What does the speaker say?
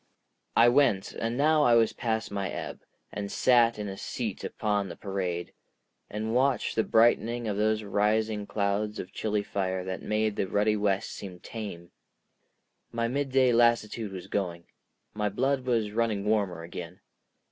I went, and now I was past my ebb, and sat in a seat upon the parade, and watched the brightening of those rising clouds of chilly fire that made the ruddy west seem tame. My midday lassitude was going, my blood was running warmer again.